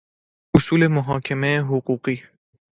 اصول محاکمه حقوقی